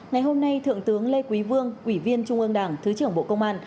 ngày hôm nay thượng tướng lê quý vương ủy viên trung ương đảng thứ trưởng bộ công an